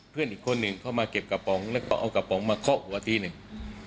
เพื่อนอีกคนหนึ่งเข้ามาเก็บกระป๋องแล้วก็เอากระป๋องมาเคาะหัวทีหนึ่ง